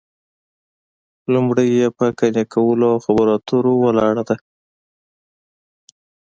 لومړۍ یې په قانع کولو او خبرو اترو ولاړه ده